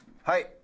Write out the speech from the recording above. はい。